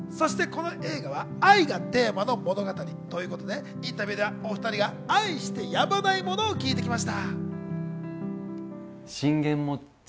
そして、この映画は「愛」がテーマの物語ということで、インタビューではお２人が愛してやまないものも聞いてきました。